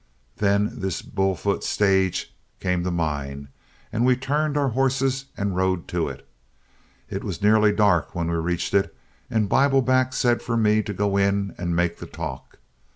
Then this Bull Foot stage came to mind, and we turned our horses and rode to it. It was nearly dark when we reached it, and Bibleback said for me to go in and make the talk.